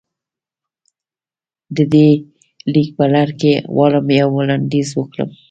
د دې ليک په لړ کې غواړم يو وړانديز وکړم.